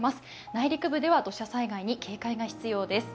内陸部では土砂災害に警戒が必要です。